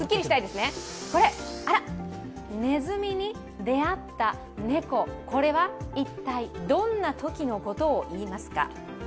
ねずみに出会った猫、これは一体どんなときのことをいいますか？